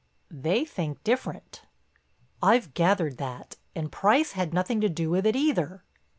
"They think different." "I've gathered that. And Price had nothing to do with it either."